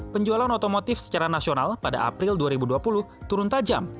penjualan otomotif secara nasional pada april dua ribu dua puluh turun tajam